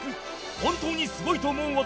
本当にすごいと思う技